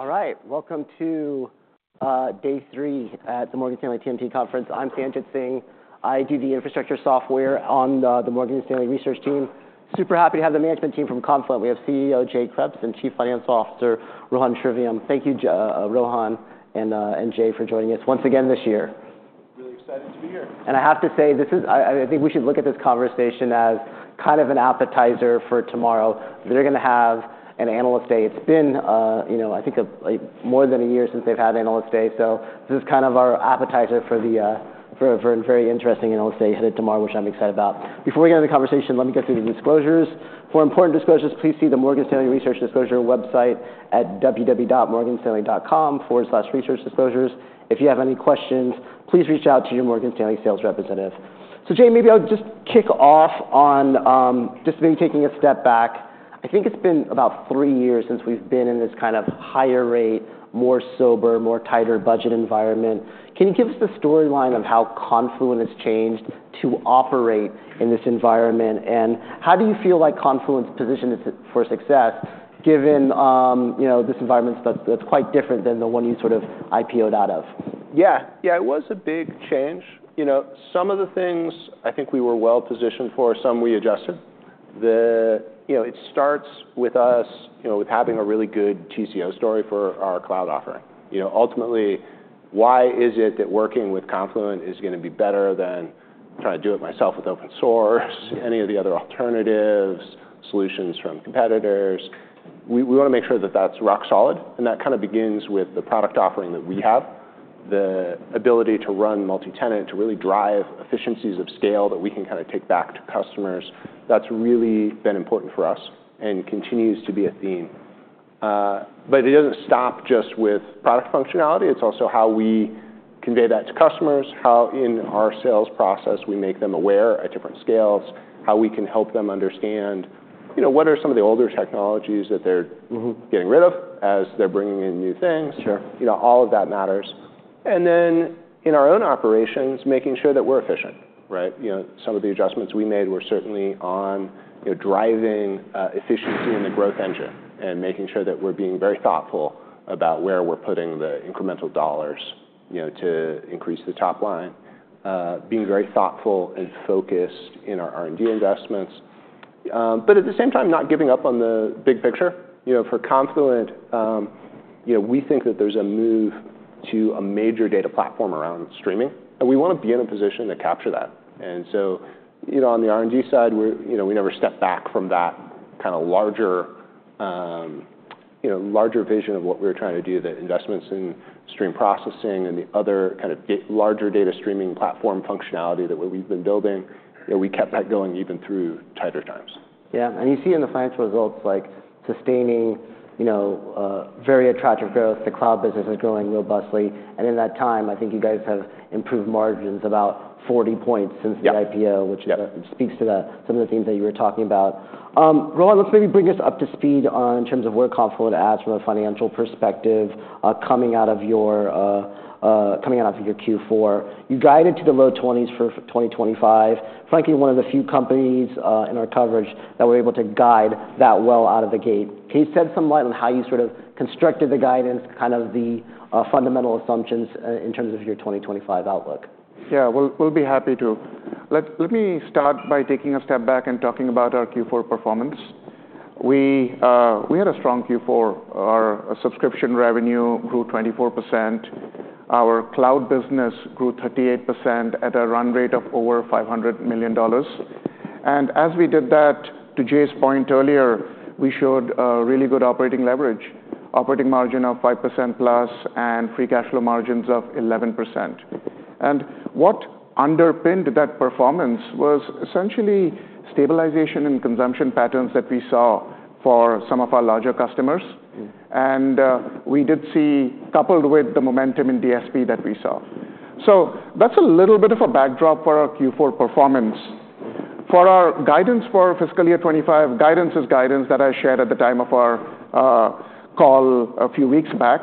All right. Welcome to day three at the Morgan Stanley TMT conference. I'm Sanjit Singh. I do the infrastructure software on the Morgan Stanley research team. Super happy to have the management team from Confluent. We have CEO Jay Kreps and Chief Financial Officer Rohan Sivaram. Thank you, Rohan and Jay for joining us once again this year. Really excited to be here. I have to say, this is. I think we should look at this conversation as kind of an appetizer for tomorrow. They're gonna have an Analyst Day. It's been, you know, I think a more than a year since they've had Analyst Day. So this is kind of our appetizer for a very interesting Analyst Day ahead of tomorrow, which I'm excited about. Before we get into the conversation, let me go through the disclosures. For important disclosures, please see the Morgan Stanley Research Disclosure website at www.morganstanley.com/researchdisclosures. If you have any questions, please reach out to your Morgan Stanley Sales Representative. So, Jay, maybe I'll just kick off on taking a step back. I think it's been about three years since we've been in this kind of higher rate, more sober, more tighter budget environment. Can you give us the storyline of how Confluent has changed to operate in this environment? And how do you feel like Confluent's position is for success given, you know, this environment that's, that's quite different than the one you sort of IPO'd out of? Yeah. Yeah. It was a big change. You know, some of the things I think we were well positioned for, some we adjusted. The, you know, it starts with us, you know, with having a really good TCO story for our cloud offering. You know, ultimately, why is it that working with Confluent is gonna be better than trying to do it myself with open source, any of the other alternatives, solutions from competitors? We, we wanna make sure that that's rock solid. And that kinda begins with the product offering that we have, the ability to run multi-tenant, to really drive efficiencies of scale that we can kinda take back to customers. That's really been important for us and continues to be a theme. But it doesn't stop just with product functionality. It's also how we convey that to customers, how in our sales process we make them aware at different scales, how we can help them understand, you know, what are some of the older technologies that they're. Mm-hmm. Getting rid of as they're bringing in new things. Sure. You know, all of that matters. And then in our own operations, making sure that we're efficient, right? You know, some of the adjustments we made were certainly on, you know, driving, efficiency in the growth engine and making sure that we're being very thoughtful about where we're putting the incremental dollars, you know, to increase the top line, being very thoughtful and focused in our R&D investments. But at the same time, not giving up on the big picture. You know, for Confluent, you know, we think that there's a move to a major data platform around streaming. And we wanna be in a position to capture that. And so, you know, on the R&D side, we're, you know, we never step back from that kinda larger, you know, larger vision of what we're trying to do, the investments in stream processing and the other kind of the larger data streaming platform functionality that we've been building. You know, we kept that going even through tighter times. Yeah. And you see in the financial results, like, sustaining, you know, very attractive growth. The cloud business is growing robustly. And in that time, I think you guys have improved margins about 40 points since the IPO. Yeah. Which speaks to some of the themes that you were talking about. Rohan, let's maybe bring us up to speed in terms of where Confluent is at from a financial perspective, coming out of your Q4. You guided to the low 20s for 2025. Frankly, one of the few companies in our coverage that were able to guide that well out of the gate. Can you shed some light on how you sort of constructed the guidance, kind of the fundamental assumptions in terms of your 2025 outlook? Yeah. We'll be happy to. Let me start by taking a step back and talking about our Q4 performance. We had a strong Q4. Our subscription revenue grew 24%. Our cloud business grew 38% at a run rate of over $500 million. And as we did that, to Jay's point earlier, we showed a really good operating leverage, operating margin of 5%+, and free cash flow margins of 11%. And what underpinned that performance was essentially stabilization in consumption patterns that we saw for some of our larger customers. Mm-hmm. We did see, coupled with the momentum in DSP that we saw. That's a little bit of a backdrop for our Q4 performance. For our guidance for fiscal year 2025, guidance is guidance that I shared at the time of our call a few weeks back.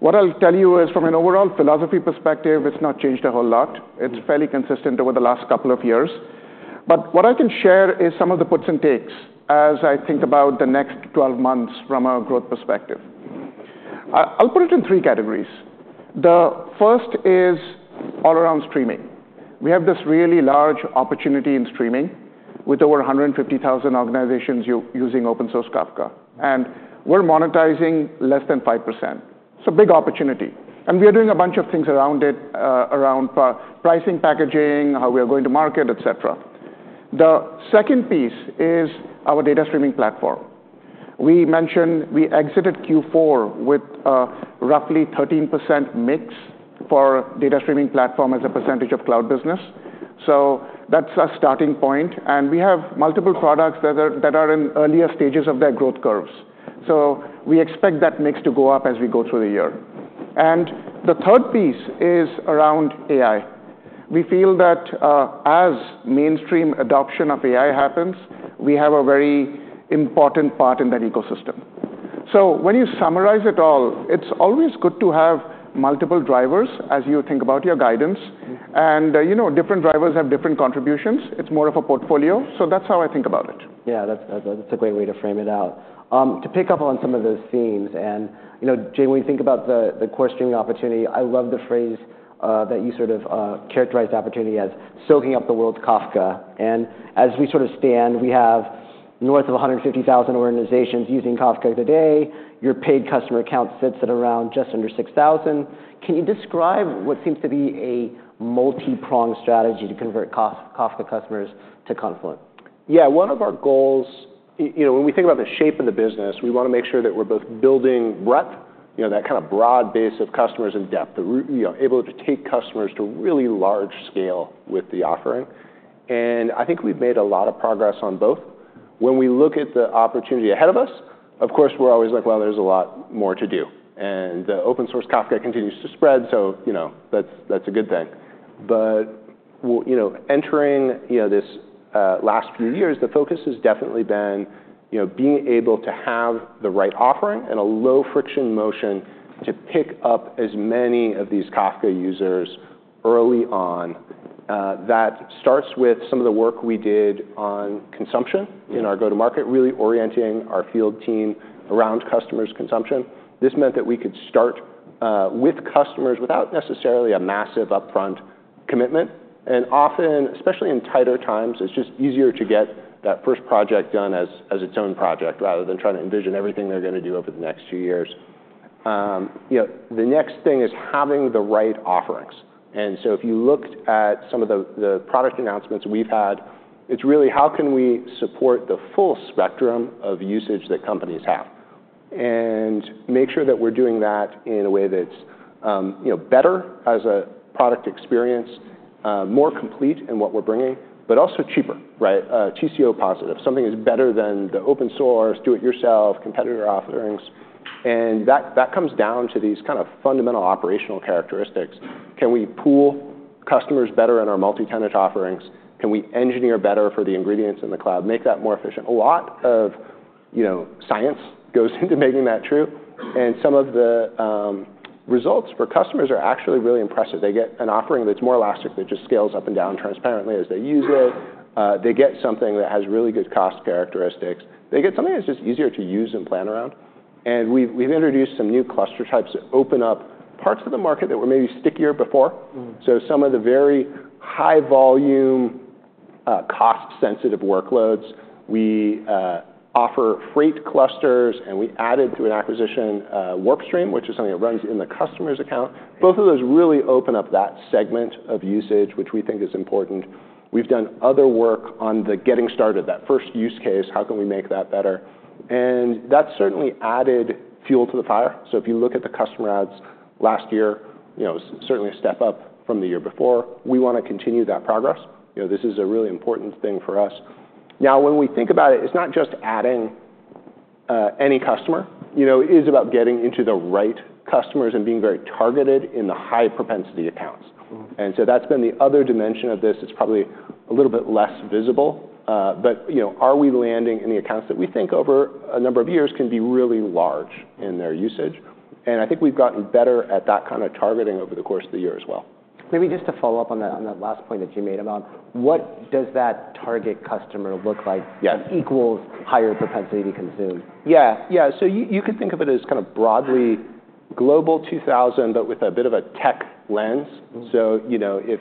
What I'll tell you is, from an overall philosophy perspective, it's not changed a whole lot. It's fairly consistent over the last couple of years. What I can share is some of the puts and takes as I think about the next 12 months from a growth perspective. Mm-hmm. I'll put it in three categories. The first is all around streaming. We have this really large opportunity in streaming with over 150,000 organizations using open-source Kafka. And we're monetizing less than 5%. It's a big opportunity. And we are doing a bunch of things around it, around, pricing, packaging, how we are going to market, etc. The second piece is our data streaming platform. We mentioned we exited Q4 with a roughly 13% mix for data streaming platform as a percentage of cloud business. So that's a starting point. And we have multiple products that are in earlier stages of their growth curves. So we expect that mix to go up as we go through the year. And the third piece is around AI. We feel that, as mainstream adoption of AI happens, we have a very important part in that ecosystem. So when you summarize it all, it's always good to have multiple drivers as you think about your guidance. Mm-hmm. You know, different drivers have different contributions. It's more of a portfolio. So that's how I think about it. Yeah. That's a great way to frame it out. To pick up on some of those themes and, you know, Jay, when you think about the core streaming opportunity, I love the phrase that you sort of characterized opportunity as soaking up the world's Kafka. And as we sort of stand, we have north of 150,000 organizations using Kafka today. Your paid customer account sits at around just under 6,000. Can you describe what seems to be a multi-pronged strategy to convert Kafka customers to Confluent? Yeah. One of our goals, you know, when we think about the shape of the business, we wanna make sure that we're both building breadth, you know, that kinda broad base of customers and depth, that we're, you know, able to take customers to really large scale with the offering. I think we've made a lot of progress on both. When we look at the opportunity ahead of us, of course, we're always like, "Well, there's a lot more to do." The open-source Kafka continues to spread. So, you know, that's a good thing. But you know, entering, you know, this last few years, the focus has definitely been, you know, being able to have the right offering and a low-friction motion to pick up as many of these Kafka users early on. That starts with some of the work we did on consumption in our go-to-market, really orienting our field team around customers' consumption. This meant that we could start with customers without necessarily a massive upfront commitment. And often, especially in tighter times, it's just easier to get that first project done as its own project rather than trying to envision everything they're gonna do over the next few years, you know. The next thing is having the right offerings. And so if you looked at some of the product announcements we've had, it's really how can we support the full spectrum of usage that companies have and make sure that we're doing that in a way that's, you know, better as a product experience, more complete in what we're bringing, but also cheaper, right? TCO positive. Something is better than the open source, do-it-yourself, competitor offerings. And that comes down to these kinda fundamental operational characteristics. Can we pool customers better in our multi-tenant offerings? Can we engineer better for the ingredients in the cloud? Make that more efficient. A lot of, you know, science goes into making that true. And some of the results for customers are actually really impressive. They get an offering that's more elastic that just scales up and down transparently as they use it. They get something that has really good cost characteristics. They get something that's just easier to use and plan around. And we've introduced some new cluster types that open up parts of the market that were maybe stickier before. Mm-hmm. So some of the very high-volume, cost-sensitive workloads we offer Freight clusters, and we added through an acquisition WarpStream, which is something that runs in the customer's account. Both of those really open up that segment of usage, which we think is important. We've done other work on the getting started, that first use case, how can we make that better? And that's certainly added fuel to the fire. So if you look at the customer adds last year, you know, it's certainly a step up from the year before. We wanna continue that progress. You know, this is a really important thing for us. Now, when we think about it, it's not just adding any customer. You know, it is about getting into the right customers and being very targeted in the high-propensity accounts. Mm-hmm. And so that's been the other dimension of this. It's probably a little bit less visible, but, you know, are we landing in the accounts that we think over a number of years can be really large in their usage? And I think we've gotten better at that kinda targeting over the course of the year as well. Maybe just to follow up on that, on that last point that you made about what does that target customer look like? Yes. That equals higher propensity to consume? Yeah. Yeah. So you could think of it as kinda broadly Global 2000 but with a bit of a tech lens. Mm-hmm. So, you know, if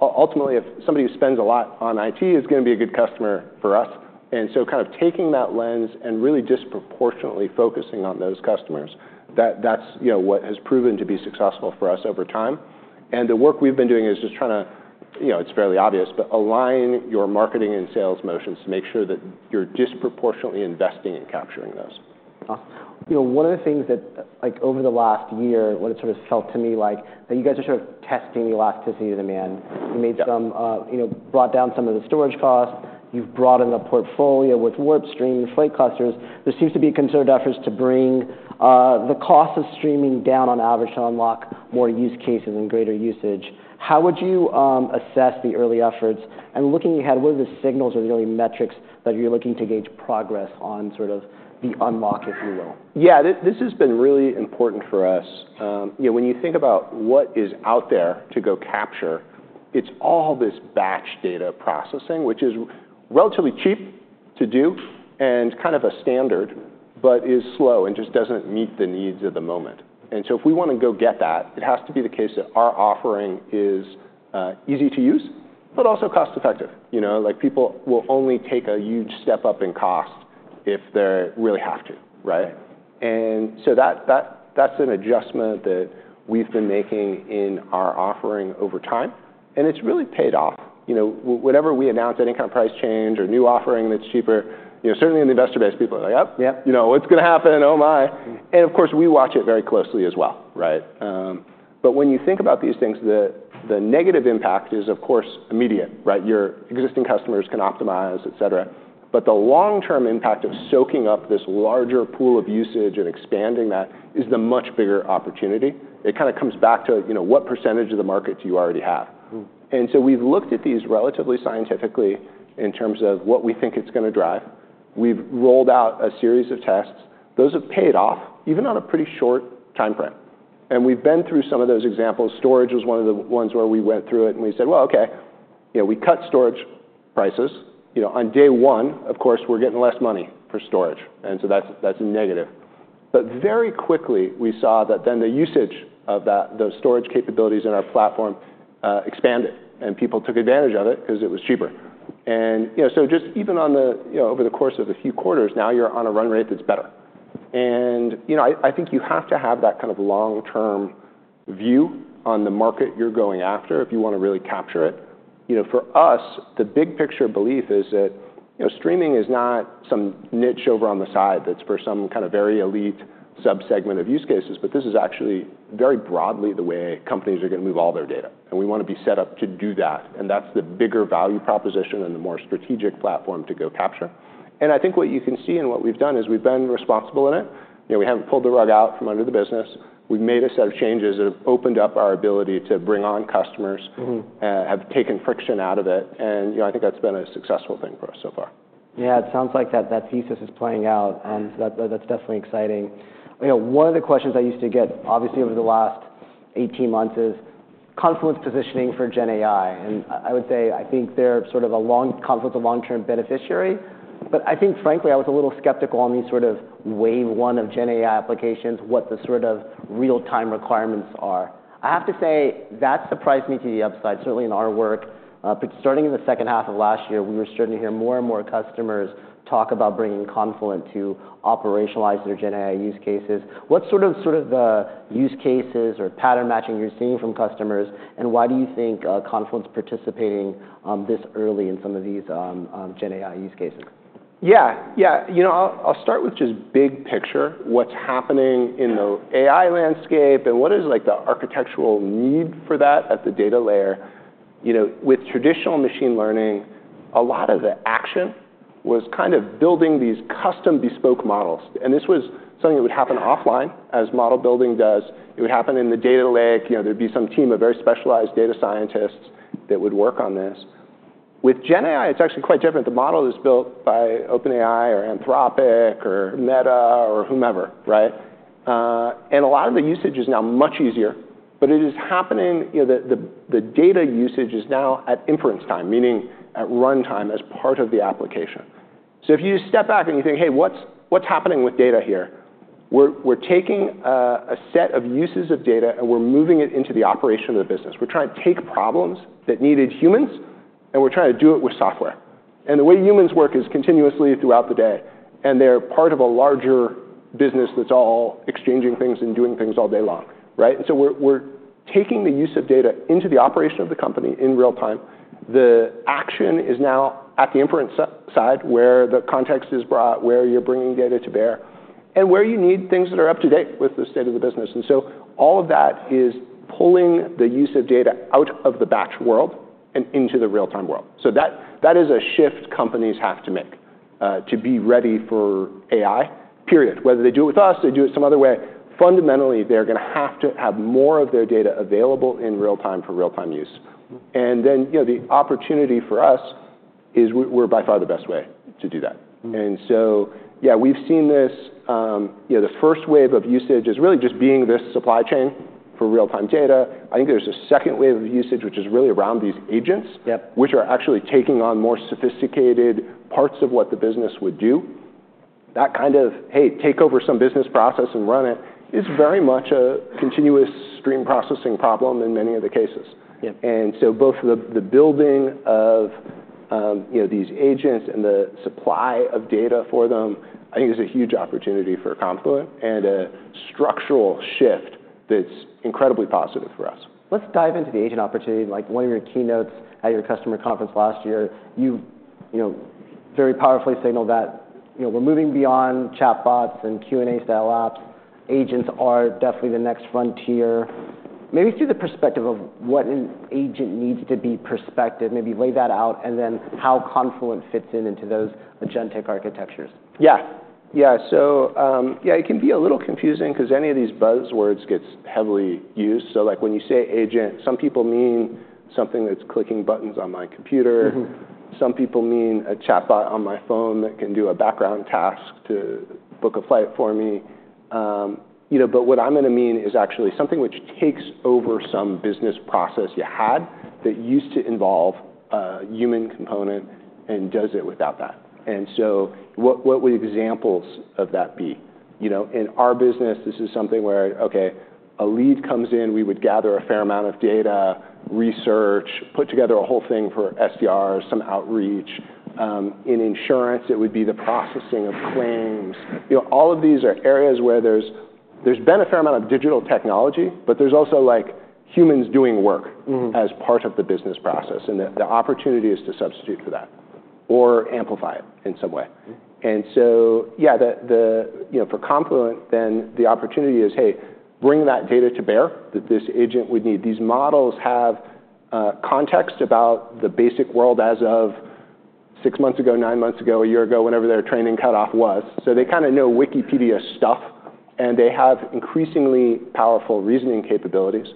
ultimately, if somebody who spends a lot on IT is gonna be a good customer for us. And so kind of taking that lens and really disproportionately focusing on those customers, that's, you know, what has proven to be successful for us over time. And the work we've been doing is just trying to, you know, it's fairly obvious, but align your marketing and sales motions to make sure that you're disproportionately investing in capturing those. Awesome. You know, one of the things that, like, over the last year, what it sort of felt to me like that you guys are sort of testing the elasticity of demand. Yep. You made some, you know, brought down some of the storage costs. You've broadened the portfolio with WarpStream and Freight clusters. There seems to be a concerted efforts to bring, the cost of streaming down on average to unlock more use cases and greater usage. How would you, assess the early efforts? And looking ahead, what are the signals or the early metrics that you're looking to gauge progress on sort of the unlock, if you will? Yeah. This has been really important for us. You know, when you think about what is out there to go capture, it's all this batch data processing, which is relatively cheap to do and kind of a standard, but is slow and just doesn't meet the needs of the moment, and so if we wanna go get that, it has to be the case that our offering is easy to use, but also cost-effective. You know, like, people will only take a huge step up in cost if they really have to, right? Right. That's an adjustment that we've been making in our offering over time. It's really paid off. You know, whatever we announce, any kinda price change or new offering that's cheaper, you know, certainly in the investor base, people are like, "Yep. Yep. You know, "What's gonna happen? Oh my," and of course, we watch it very closely as well, right? But when you think about these things, the negative impact is, of course, immediate, right? Your existing customers can optimize, etc., but the long-term impact of soaking up this larger pool of usage and expanding that is the much bigger opportunity. It kinda comes back to, you know, what percentage of the market do you already have? Mm-hmm. And so we've looked at these relatively scientifically in terms of what we think it's gonna drive. We've rolled out a series of tests. Those have paid off even on a pretty short timeframe. And we've been through some of those examples. Storage was one of the ones where we went through it and we said, "Well, okay." You know, we cut storage prices. You know, on day one, of course, we're getting less money for storage. And so that's, that's a negative. But very quickly, we saw that then the usage of that, those storage capabilities in our platform, expanded and people took advantage of it 'cause it was cheaper. And, you know, so just even on the, you know, over the course of a few quarters, now you're on a run rate that's better. You know, I think you have to have that kind of long-term view on the market you're going after if you wanna really capture it. You know, for us, the big picture belief is that, you know, streaming is not some niche over on the side that's for some kinda very elite subsegment of use cases, but this is actually very broadly the way companies are gonna move all their data. We wanna be set up to do that. That's the bigger value proposition and the more strategic platform to go capture. I think what you can see and what we've done is we've been responsible in it. You know, we haven't pulled the rug out from under the business. We've made a set of changes that have opened up our ability to bring on customers. Mm-hmm. Have taken friction out of it, and you know, I think that's been a successful thing for us so far. Yeah. It sounds like that, that thesis is playing out. And so that, that's definitely exciting. You know, one of the questions I used to get, obviously, over the last 18 months is Confluent positioning for GenAI. And I would say I think they're sort of a long Confluent, a long-term beneficiary. But I think, frankly, I was a little skeptical on these sort of wave one of GenAI applications, what the sort of real-time requirements are. I have to say that surprised me to the upside, certainly in our work. But starting in the second half of last year, we were starting to hear more and more customers talk about bringing Confluent to operationalize their GenAI use cases. What sort of, sort of the use cases or pattern matching you're seeing from customers? And why do you think Confluent participating this early in some of these GenAI use cases? Yeah. Yeah. You know, I'll start with just big picture, what's happening in the AI landscape and what is, like, the architectural need for that at the data layer. You know, with traditional machine learning, a lot of the action was kind of building these custom bespoke models. And this was something that would happen offline as model building does. It would happen in the data lake. You know, there'd be some team of very specialized data scientists that would work on this. With GenAI, it's actually quite different. The model is built by OpenAI or Anthropic or Meta or whomever, right? And a lot of the usage is now much easier, but it is happening, you know, the data usage is now at inference time, meaning at run time as part of the application. So if you just step back and you think, "Hey, what's happening with data here?" We're taking a set of uses of data and we're moving it into the operation of the business. We're trying to take problems that needed humans, and we're trying to do it with software, and the way humans work is continuously throughout the day, and they're part of a larger business that's all exchanging things and doing things all day long, right, and so we're taking the use of data into the operation of the company in real time. The action is now at the inference side where the context is brought, where you're bringing data to bear, and where you need things that are up to date with the state of the business. And so all of that is pulling the use of data out of the batch world and into the real-time world. So that is a shift companies have to make, to be ready for AI, period. Whether they do it with us, they do it some other way. Fundamentally, they're gonna have to have more of their data available in real time for real-time use. Mm-hmm. And then, you know, the opportunity for us is we're by far the best way to do that. Mm-hmm. And so, yeah, we've seen this, you know, the first wave of usage is really just being this supply chain for real-time data. I think there's a second wave of usage, which is really around these agents. Yep. Which are actually taking on more sophisticated parts of what the business would do. That kind of, "Hey, take over some business process and run it," is very much a continuous stream processing problem in many of the cases. Yep. Both the building of, you know, these agents and the supply of data for them, I think is a huge opportunity for Confluent and a structural shift that's incredibly positive for us. Let's dive into the agent opportunity. Like, one of your keynotes at your customer conference last year, you've, you know, very powerfully signaled that, you know, we're moving beyond chatbots and Q&A-style apps. Agents are definitely the next frontier. Maybe from the perspective of what an agent needs to be, maybe lay that out and then how Confluent fits into those agentic architectures? Yeah, so it can be a little confusing 'cause any of these buzzwords gets heavily used. So, like, when you say agent, some people mean something that's clicking buttons on my computer. Mm-hmm. Some people mean a chatbot on my phone that can do a background task to book a flight for me. You know, but what I'm gonna mean is actually something which takes over some business process you had that used to involve a human component and does it without that. And so what would examples of that be? You know, in our business, this is something where, okay, a lead comes in, we would gather a fair amount of data, research, put together a whole thing for SDRs, some outreach. In insurance, it would be the processing of claims. You know, all of these are areas where there's been a fair amount of digital technology, but there's also, like, humans doing work. Mm-hmm. As part of the business process, and the opportunity is to substitute for that or amplify it in some way. Mm-hmm. And so, yeah, the you know, for Confluent, then the opportunity is, "Hey, bring that data to bear that this agent would need." These models have context about the basic world as of six months ago, nine months ago, a year ago, whenever their training cutoff was. So they kinda know Wikipedia stuff, and they have increasingly powerful reasoning capabilities.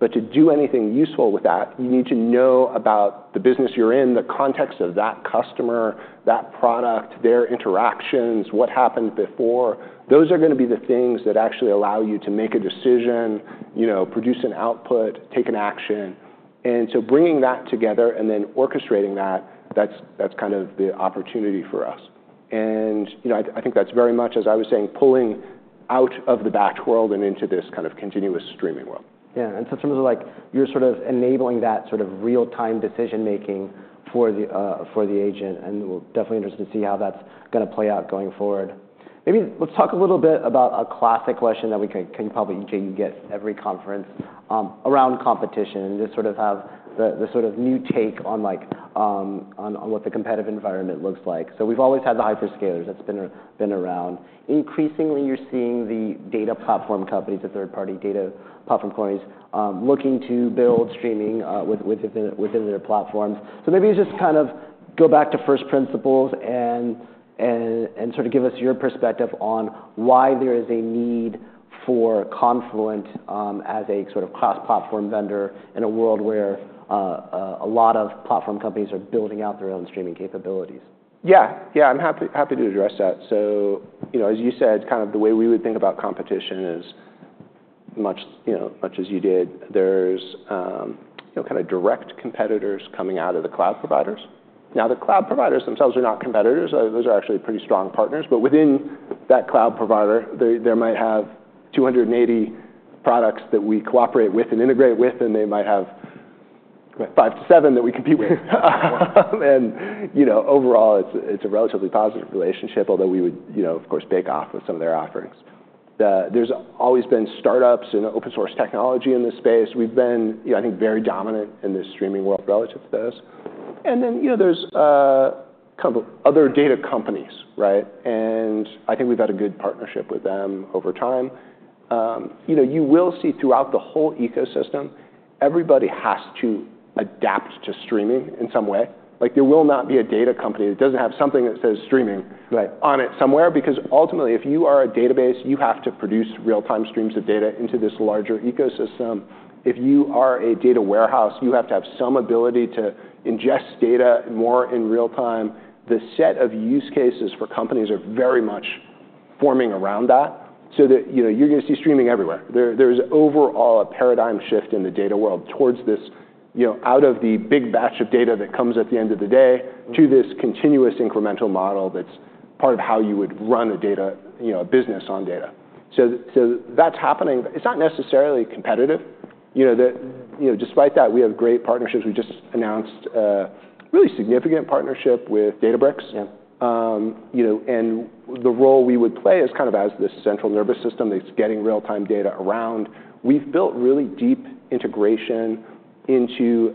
But to do anything useful with that, you need to know about the business you're in, the context of that customer, that product, their interactions, what happened before. Those are gonna be the things that actually allow you to make a decision, you know, produce an output, take an action. And so bringing that together and then orchestrating that, that's kind of the opportunity for us. You know, I think that's very much, as I was saying, pulling out of the batch world and into this kind of continuous streaming world. Yeah. And so in terms of, like, you're sort of enabling that sort of real-time decision-making for the agent. And we're definitely interested to see how that's gonna play out going forward. Maybe let's talk a little bit about a classic question that we can probably ask Jay, you get every conference, around competition and just sort of have the sort of new take on, like, on what the competitive environment looks like. So we've always had the hyperscalers. That's been around. Increasingly, you're seeing the data platform companies, the third-party data platform companies, looking to build streaming within their platforms. Maybe you just kind of go back to first principles and sort of give us your perspective on why there is a need for Confluent, as a sort of cross-platform vendor in a world where a lot of platform companies are building out their own streaming capabilities. Yeah. Yeah. I'm happy, happy to address that. So, you know, as you said, kind of the way we would think about competition is much, you know, much as you did. There's, you know, kinda direct competitors coming out of the cloud providers. Now, the cloud providers themselves are not competitors. Those are actually pretty strong partners. But within that cloud provider, there, there might have 280 products that we cooperate with and integrate with, and they might have five to seven that we compete with. And, you know, overall, it's, it's a relatively positive relationship, although we would, you know, of course, bake-off with some of their offerings. There's always been startups and open-source technology in this space. We've been, you know, I think, very dominant in this streaming world relative to those. And then, you know, there's, kind of other data companies, right? And I think we've had a good partnership with them over time. You know, you will see throughout the whole ecosystem, everybody has to adapt to streaming in some way. Like, there will not be a data company that doesn't have something that says streaming. Right. On it somewhere. Because ultimately, if you are a database, you have to produce real-time streams of data into this larger ecosystem. If you are a data warehouse, you have to have some ability to ingest data more in real time. The set of use cases for companies are very much forming around that so that, you know, you're gonna see streaming everywhere. There, there's overall a paradigm shift in the data world towards this, you know, out of the big batch of data that comes at the end of the day to this continuous incremental model that's part of how you would run a data, you know, a business on data. So, so that's happening. It's not necessarily competitive. You know, the, you know, despite that, we have great partnerships. We just announced a really significant partnership with Databricks. Yeah. You know, and the role we would play is kind of as the central nervous system that's getting real-time data around. We've built really deep integration into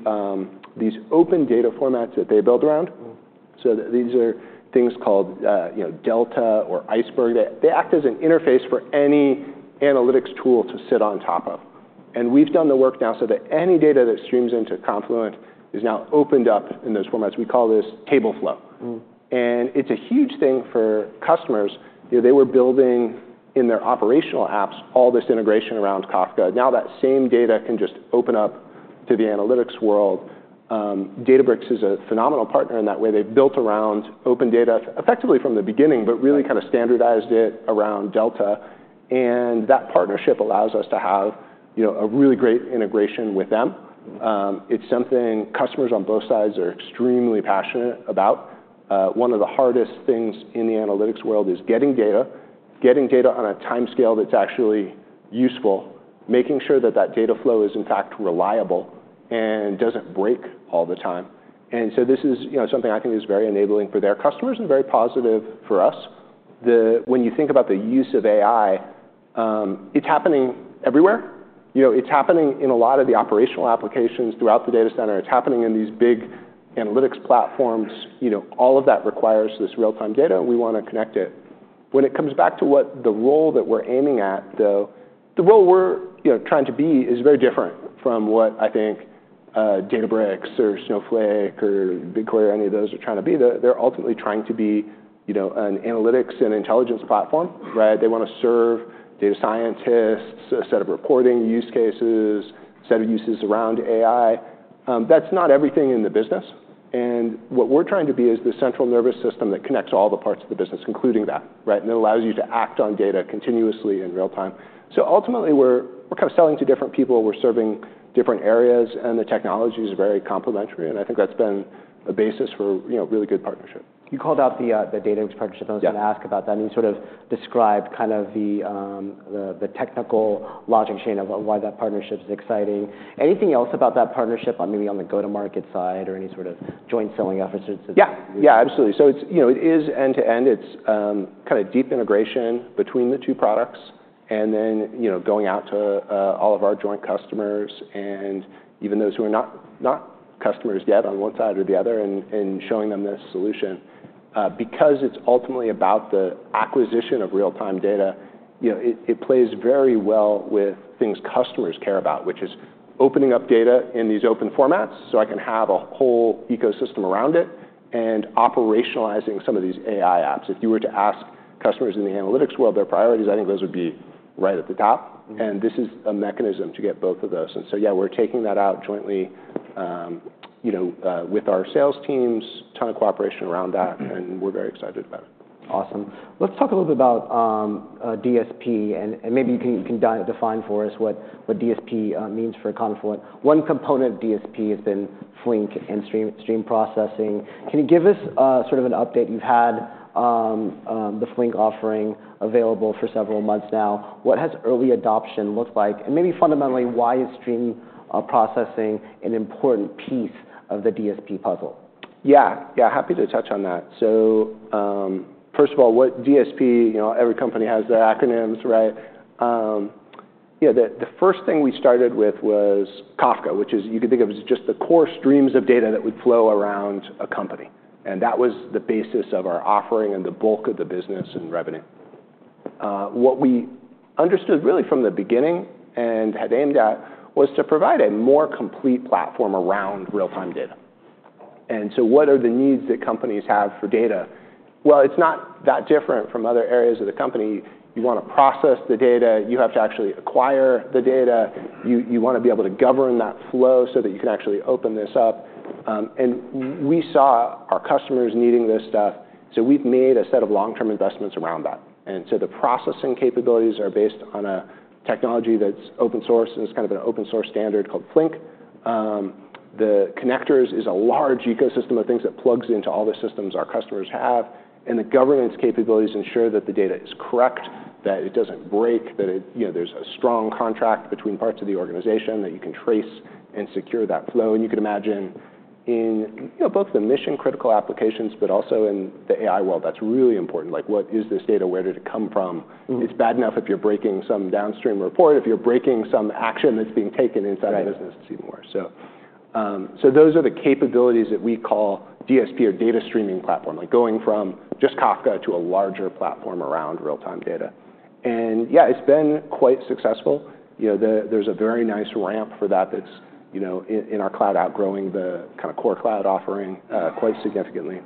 these open data formats that they build around. Mm-hmm. These are things called, you know, Delta or Iceberg. They act as an interface for any analytics tool to sit on top of. We've done the work now so that any data that streams into Confluent is now opened up in those formats. We call this Tableflow. Mm-hmm. And it's a huge thing for customers. You know, they were building in their operational apps all this integration around Kafka. Now that same data can just open up to the analytics world. Databricks is a phenomenal partner in that way. They've built around open data effectively from the beginning, but really kinda standardized it around Delta. And that partnership allows us to have, you know, a really great integration with them. It's something customers on both sides are extremely passionate about. One of the hardest things in the analytics world is getting data, getting data on a timescale that's actually useful, making sure that that data flow is, in fact, reliable and doesn't break all the time. And so this is, you know, something I think is very enabling for their customers and very positive for us. The, when you think about the use of AI, it's happening everywhere. You know, it's happening in a lot of the operational applications throughout the data center. It's happening in these big analytics platforms. You know, all of that requires this real-time data, and we wanna connect it. When it comes back to what the role that we're aiming at, though, the role we're, you know, trying to be is very different from what I think, Databricks or Snowflake or BigQuery or any of those are trying to be. They're, they're ultimately trying to be, you know, an analytics and intelligence platform, right? They wanna serve data scientists, a set of reporting use cases, a set of uses around AI. That's not everything in the business. And what we're trying to be is the central nervous system that connects all the parts of the business, including that, right? And it allows you to act on data continuously in real time. So ultimately, we're kinda selling to different people. We're serving different areas, and the technology's very complementary, and I think that's been a basis for, you know, really good partnership. You called out the data partnership. Yeah. I was gonna ask about that. You sort of described kind of the technical logic chain of why that partnership's exciting. Anything else about that partnership, maybe on the go-to-market side or any sort of joint selling efforts. Yeah. Yeah, absolutely. So it's, you know, it is end-to-end. It's kinda deep integration between the two products and then, you know, going out to all of our joint customers and even those who are not, not customers yet on one side or the other and, and showing them this solution. Because it's ultimately about the acquisition of real-time data, you know, it, it plays very well with things customers care about, which is opening up data in these open formats so I can have a whole ecosystem around it and operationalizing some of these AI apps. If you were to ask customers in the analytics world their priorities, I think those would be right at the top. Mm-hmm. And this is a mechanism to get both of those. And so, yeah, we're taking that out jointly, you know, with our sales teams, ton of cooperation around that, and we're very excited about it. Awesome. Let's talk a little bit about DSP, and maybe you can define for us what DSP means for Confluent. One component of DSP has been Flink and stream processing. Can you give us sort of an update? You've had the Flink offering available for several months now. What has early adoption looked like? And maybe fundamentally, why is stream processing an important piece of the DSP puzzle? Yeah. Yeah. Happy to touch on that. So, first of all, what DSP, you know, every company has their acronyms, right? You know, the first thing we started with was Kafka, which is, you could think of as just the core streams of data that would flow around a company. And that was the basis of our offering and the bulk of the business and revenue. What we understood really from the beginning and had aimed at was to provide a more complete platform around real-time data, and so what are the needs that companies have for data? Well, it's not that different from other areas of the company. You wanna process the data. You have to actually acquire the data. You wanna be able to govern that flow so that you can actually open this up, and we saw our customers needing this stuff. So we've made a set of long-term investments around that. And so the processing capabilities are based on a technology that's open source and is kind of an open-source standard called Flink. The connectors is a large ecosystem of things that plugs into all the systems our customers have. And the governance capabilities ensure that the data is correct, that it doesn't break, that it, you know, there's a strong contract between parts of the organization that you can trace and secure that flow. And you could imagine in, you know, both the mission-critical applications, but also in the AI world, that's really important. Like, what is this data? Where did it come from? Mm-hmm. It's bad enough if you're breaking some downstream report, if you're breaking some action that's being taken inside a business. Right. It's even worse. So, those are the capabilities that we call DSP or data streaming platform, like going from just Kafka to a larger platform around real-time data. And yeah, it's been quite successful. You know, there's a very nice ramp for that that's, you know, in our cloud outgrowing the kinda core cloud offering, quite significantly.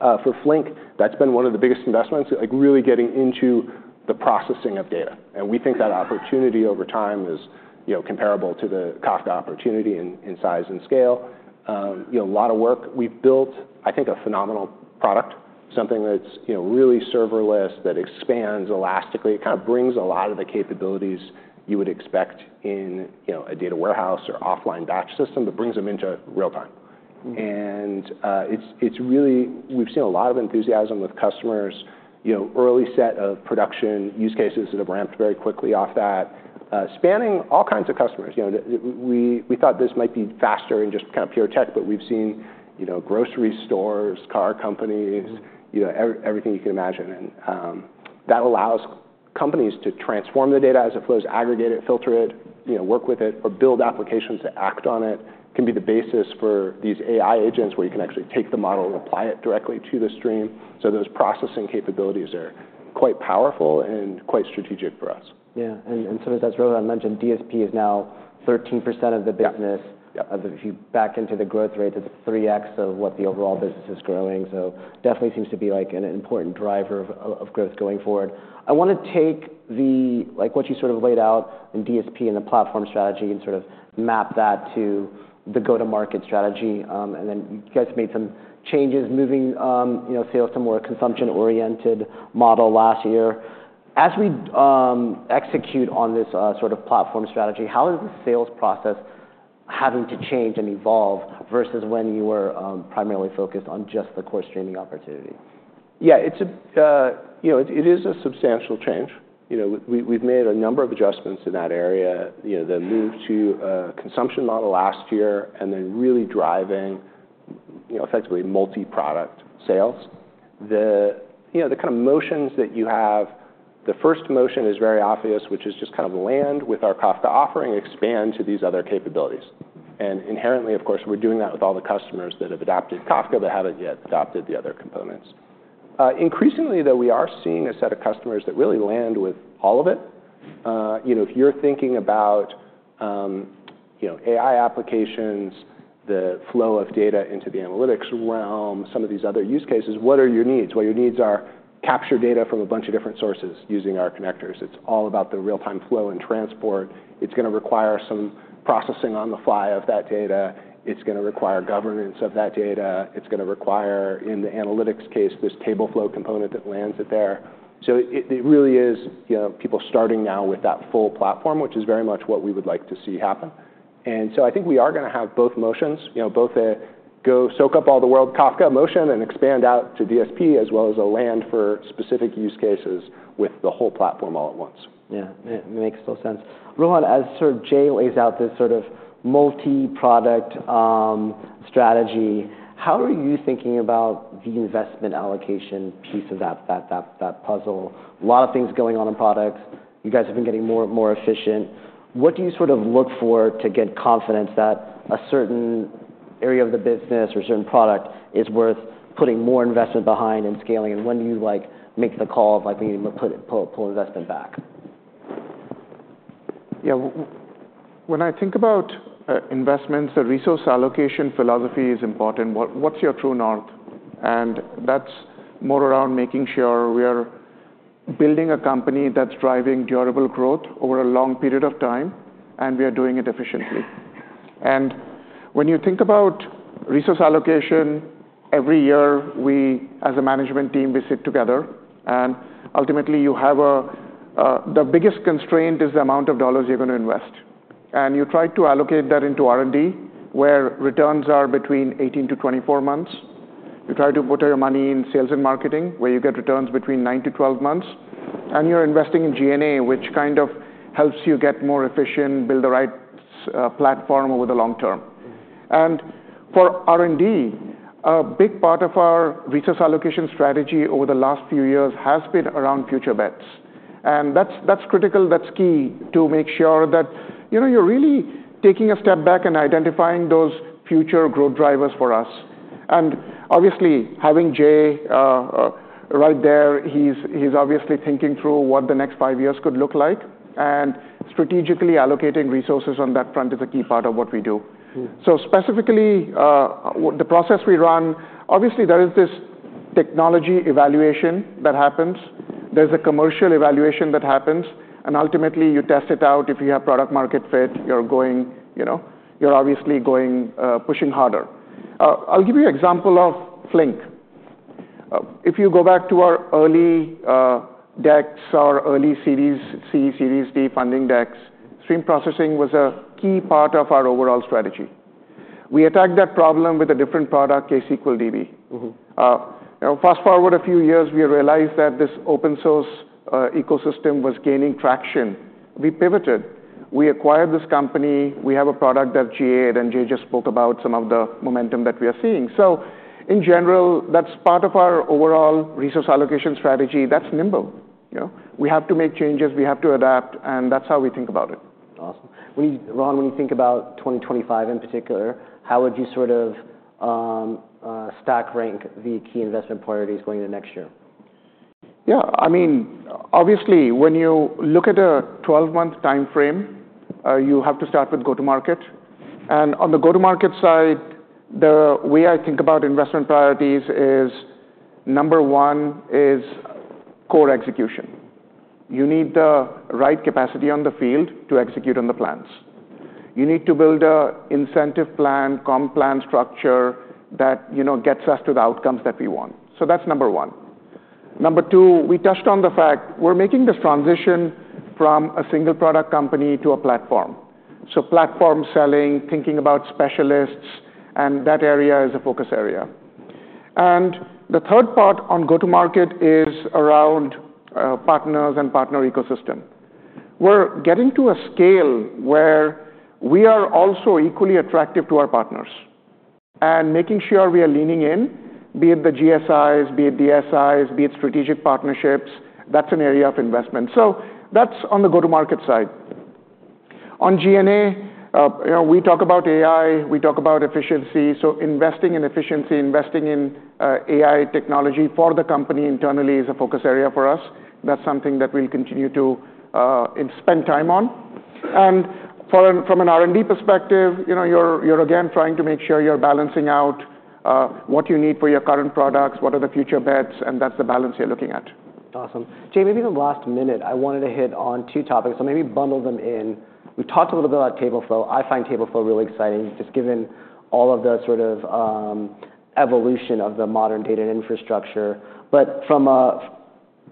For Flink, that's been one of the biggest investments, like really getting into the processing of data. And we think that opportunity over time is, you know, comparable to the Kafka opportunity in size and scale. You know, a lot of work. We've built, I think, a phenomenal product, something that's, you know, really serverless that expands elastically. It kinda brings a lot of the capabilities you would expect in, you know, a data warehouse or offline batch system that brings them into real time. Mm-hmm. It's really we've seen a lot of enthusiasm with customers, you know, early set of production use cases that have ramped very quickly off that, spanning all kinds of customers. You know, we thought this might be faster in just kinda pure tech, but we've seen, you know, grocery stores, car companies. Mm-hmm. You know, everything you can imagine. And, that allows companies to transform the data as it flows, aggregate it, filter it, you know, work with it, or build applications that act on it. It can be the basis for these AI agents where you can actually take the model and apply it directly to the stream. So those processing capabilities are quite powerful and quite strategic for us. Yeah, and, and so that's really what I mentioned. DSP is now 13% of the business. Yeah. Yeah. Or if you back into the growth rate, it's 3x of what the overall business is growing. So definitely seems to be like an important driver of growth going forward. I wanna take the, like, what you sort of laid out in DSP and the platform strategy and sort of map that to the go-to-market strategy. And then you guys made some changes moving, you know, sales to more consumption-oriented model last year. As we execute on this, sort of platform strategy, how is the sales process having to change and evolve versus when you were primarily focused on just the core-streaming opportunity? Yeah. It's a, you know, it is a substantial change. You know, we've made a number of adjustments in that area, you know, the move to a consumption model last year and then really driving, you know, effectively multi-product sales. You know, the kinda motions that you have, the first motion is very obvious, which is just kind of land with our Kafka offering, expand to these other capabilities. And inherently, of course, we're doing that with all the customers that have adopted Kafka but haven't yet adopted the other components. Increasingly, though, we are seeing a set of customers that really land with all of it. You know, if you're thinking about, you know, AI applications, the flow of data into the analytics realm, some of these other use cases, what are your needs? Your needs are capture data from a bunch of different sources using our connectors. It's all about the real-time flow and transport. It's gonna require some processing on the fly of that data. It's gonna require governance of that data. It's gonna require, in the analytics case, this Tableflow component that lands it there. So it really is, you know, people starting now with that full platform, which is very much what we would like to see happen. And so I think we are gonna have both motions, you know, both a go, soak up all the world Kafka motion and expand out to DSP as well as a land for specific use cases with the whole platform all at once. Yeah. It makes total sense. Rohan, as sort of Jay lays out this sort of multi-product strategy, how are you thinking about the investment allocation piece of that puzzle? A lot of things going on in products. You guys have been getting more efficient. What do you sort of look for to get confidence that a certain area of the business or certain product is worth putting more investment behind and scaling? And when do you, like, make the call of, like, maybe pull investment back? Yeah. When I think about investments, the resource allocation philosophy is important. What's your true north? And that's more around making sure we are building a company that's driving durable growth over a long period of time, and we are doing it efficiently. And when you think about resource allocation, every year we, as a management team, we sit together. And ultimately, you have a, the biggest constraint is the amount of dollars you're gonna invest. And you try to allocate that into R&D, where returns are between 18 to 24 months. You try to put your money in sales and marketing, where you get returns between nine to 12 months. And you're investing in G&A, which kind of helps you get more efficient, build the right platform over the long term. Mm-hmm. For R&D, a big part of our resource allocation strategy over the last few years has been around future bets. That's critical. That's key to make sure that, you know, you're really taking a step back and identifying those future growth drivers for us. Obviously, having Jay right there, he's obviously thinking through what the next five years could look like. Strategically allocating resources on that front is a key part of what we do. Mm-hmm. So specifically, the process we run, obviously, there is this technology evaluation that happens. There's a commercial evaluation that happens. And ultimately, you test it out. If you have product-market fit, you're going, you know, you're obviously going, pushing harder. I'll give you an example of Flink. If you go back to our early decks or early seed, C, D funding decks, stream processing was a key part of our overall strategy. We attacked that problem with a different product, ksqlDB. Mm-hmm. You know, fast forward a few years, we realized that this open-source ecosystem was gaining traction. We pivoted. We acquired this company. We have a product that Jay and Jay just spoke about, some of the momentum that we are seeing. So in general, that's part of our overall resource allocation strategy. That's nimble, you know? We have to make changes. We have to adapt, and that's how we think about it. Awesome. When you, Rohan, when you think about 2025 in particular, how would you sort of, stack rank the key investment priorities going into next year? Yeah. I mean, obviously, when you look at a 12-month timeframe, you have to start with go-to-market. And on the go-to-market side, the way I think about investment priorities is number one is core execution. You need the right capacity on the field to execute on the plans. You need to build an incentive plan, comp plan structure that, you know, gets us to the outcomes that we want. So that's number one. Number two, we touched on the fact we're making this transition from a single-product company to a platform. So platform selling, thinking about specialists, and that area is a focus area. And the third part on go-to-market is around partners and partner ecosystem. We're getting to a scale where we are also equally attractive to our partners and making sure we are leaning in, be it the GSIs, be it DSIs, be it strategic partnerships. That's an area of investment, so that's on the go-to-market side. On G&A, you know, we talk about AI. We talk about efficiency, so investing in efficiency, investing in AI technology for the company internally is a focus area for us. That's something that we'll continue to spend time on, and from an R&D perspective, you know, you're again trying to make sure you're balancing out what you need for your current products, what are the future bets, and that's the balance you're looking at. Awesome. Jay, maybe in the last minute, I wanted to hit on two topics. So maybe bundle them in. We've talked a little bit about Tableflow. I find Tableflow really exciting just given all of the sort of evolution of the modern data and infrastructure. But from a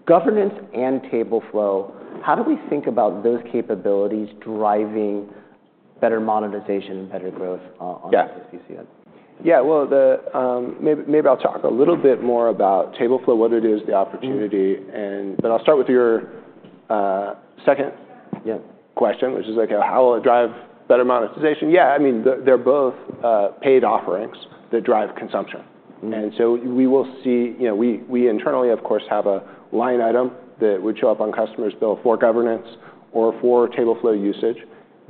governance and Tableflow, how do we think about those capabilities driving better monetization and better growth on DSP? Yeah. Well, maybe I'll talk a little bit more about Tableflow, what it is, the opportunity, and then I'll start with your second. Yeah. Question, which is like, how will it drive better monetization? Yeah. I mean, they're both paid offerings that drive consumption. Mm-hmm. And so we will see, you know, we, we internally, of course, have a line item that would show up on customers' bill for governance or for Tableflow usage.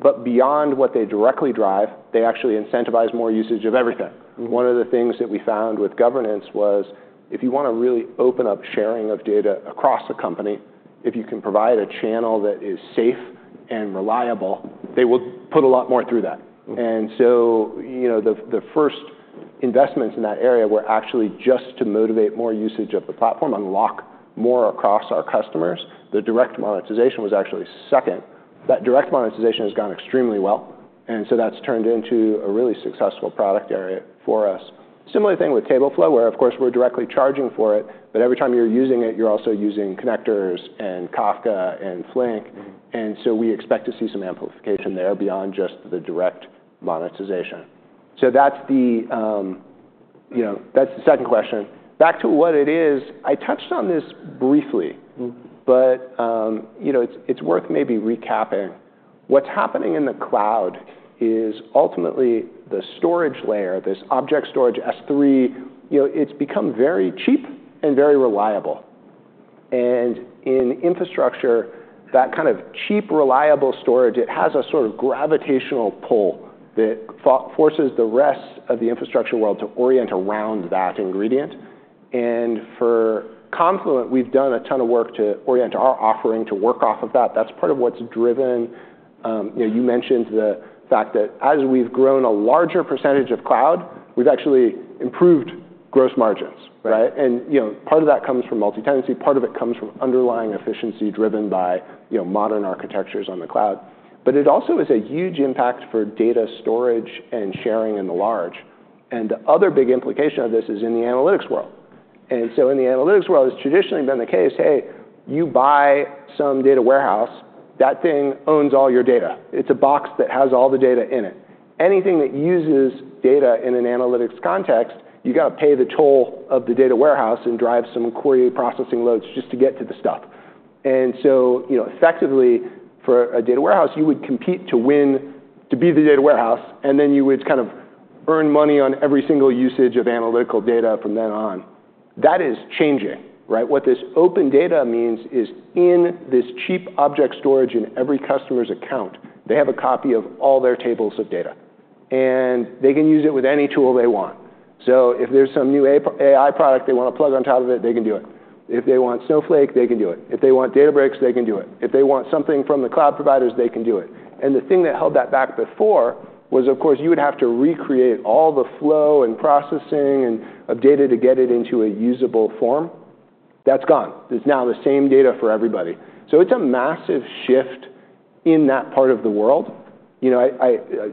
But beyond what they directly drive, they actually incentivize more usage of everything. Mm-hmm. One of the things that we found with governance was if you wanna really open up sharing of data across the company, if you can provide a channel that is safe and reliable, they will put a lot more through that. Mm-hmm. And so, you know, the first investments in that area were actually just to motivate more usage of the platform, unlock more across our customers. The direct monetization was actually second. That direct monetization has gone extremely well. And so that's turned into a really successful product area for us. Similar thing with Tableflow, where, of course, we're directly charging for it. But every time you're using it, you're also using connectors and Kafka and Flink. Mm-hmm. And so we expect to see some amplification there beyond just the direct monetization. So that's the, you know, that's the second question. Back to what it is, I touched on this briefly. Mm-hmm. You know, it's worth maybe recapping. What's happening in the cloud is ultimately the storage layer, this object storage S3. You know, it's become very cheap and very reliable. In infrastructure, that kind of cheap, reliable storage has a sort of gravitational pull that forces the rest of the infrastructure world to orient around that ingredient. For Confluent, we've done a ton of work to orient our offering to work off of that. That's part of what's driven, you know, the fact that as we've grown a larger percentage of cloud, we've actually improved gross margins, right? Right. And, you know, part of that comes from multi-tenancy. Part of it comes from underlying efficiency driven by, you know, modern architectures on the cloud. But it also is a huge impact for data storage and sharing in the large. And the other big implication of this is in the analytics world. And so in the analytics world, it's traditionally been the case, hey, you buy some data warehouse. That thing owns all your data. It's a box that has all the data in it. Anything that uses data in an analytics context, you gotta pay the toll of the data warehouse and drive some query processing loads just to get to the stuff. And so, you know, effectively, for a data warehouse, you would compete to win to be the data warehouse, and then you would kind of earn money on every single usage of analytical data from then on. That is changing, right? What this open data means is in this cheap object storage in every customer's account, they have a copy of all their tables of data, and they can use it with any tool they want. So if there's some new AI product they wanna plug on top of it, they can do it. If they want Snowflake, they can do it. If they want Databricks, they can do it. If they want something from the cloud providers, they can do it. The thing that held that back before was, of course, you would have to recreate all the flow and processing and of data to get it into a usable form. That's gone. There's now the same data for everybody. So it's a massive shift in that part of the world. You know,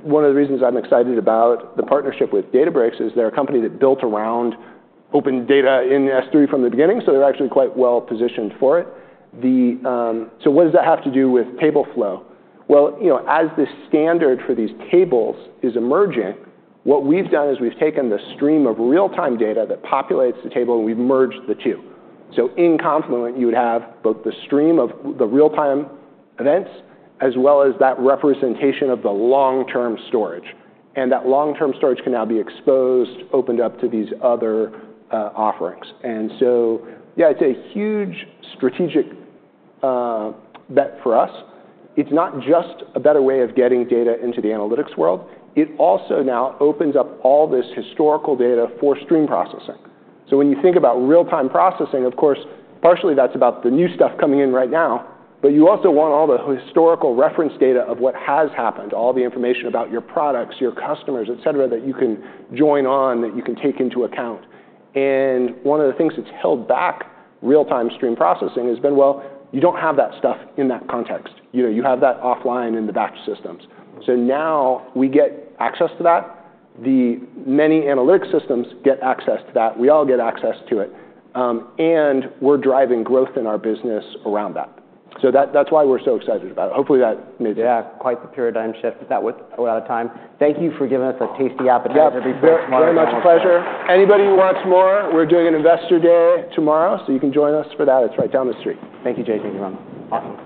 one of the reasons I'm excited about the partnership with Databricks is they're a company that built around open data in S3 from the beginning, so they're actually quite well positioned for it. So what does that have to do with Tableflow? Well, you know, as the standard for these tables is emerging, what we've done is we've taken the stream of real-time data that populates the table, and we've merged the two. So in Confluent, you would have both the stream of the real-time events as well as that representation of the long-term storage. And that long-term storage can now be exposed, opened up to these other offerings. And so, yeah, it's a huge strategic bet for us. It's not just a better way of getting data into the analytics world. It also now opens up all this historical data for stream processing. So when you think about real-time processing, of course, partially that's about the new stuff coming in right now, but you also want all the historical reference data of what has happened, all the information about your products, your customers, etc., that you can join on, that you can take into account. And one of the things that's held back real-time stream processing has been, well, you don't have that stuff in that context. You know, you have that offline in the batch systems. So now we get access to that. The many analytic systems get access to that. We all get access to it, and we're driving growth in our business around that. So that, that's why we're so excited about it. Hopefully, that made sense. Yeah. Quite the paradigm shift with that with a lot of time. Thank you for giving us a tasty appetite to be part of. Yes. Very much pleasure. Anybody who wants more, we're doing an Investor Day tomorrow, so you can join us for that. It's right down the street. Thank you, Jay. Thank you, Rohan. Awesome.